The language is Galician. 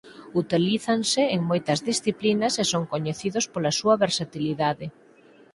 Utilízanse en moitas disciplinas e son coñecidos pola súa versatilidade.